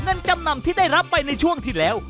เงินจำนำที่ได้รับไปในช่วงที่แล้ว